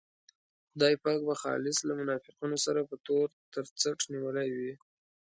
خدای پاک به خالص له منافقینو سره په تور تر څټ نیولی وي.